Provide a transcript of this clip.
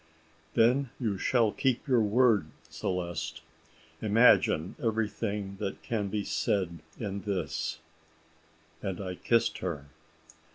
"Then you shall keep your word, Celeste. Imagine everything that can be said in this " and I kissed her.